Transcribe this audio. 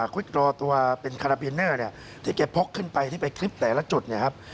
ควิดรอตัวเป็นคาราบินเนอร์เนี่ยที่แกพกขึ้นไปที่ไปคลิปแต่ละจุดเนี่ยครับ